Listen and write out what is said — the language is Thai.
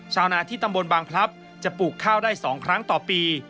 ชาวนาที่ตำบลบางพลับจะปลูกข้าวได้๒ครั้งต่อปี